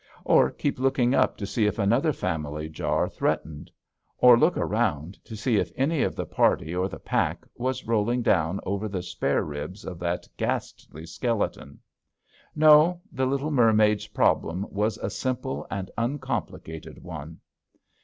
Or keep looking up to see if another family jar threatened. Or look around to see if any of the party or the pack was rolling down over the spareribs of that ghastly skeleton. No; the little mermaid's problem was a simple and uncomplicated one.